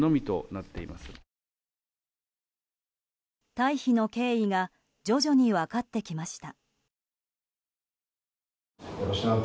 退避の経緯が徐々に分かってきました。